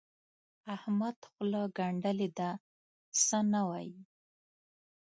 احمد خوله ګنډلې ده؛ څه نه وايي.